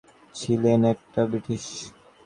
তিনি ব্রিটিশ শাসনের কট্টর বিরোধী ছিলেন।